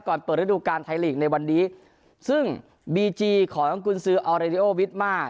ก่อนเปิดฤดูการไทยหลีกในวันนี้ซึ่งบีจีของคุณศือออราเดโลวิดมาร์